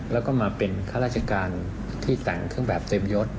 แล้วก็มาเป็นข้าราชการที่แต่งเครื่องแบบเต็มยศ